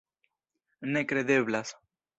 Nekredeblas.